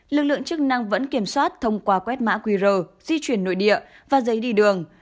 lực lượng chức năng vẫn kiểm soát thông qua quét mã qr di chuyển nội địa và giấy đi đường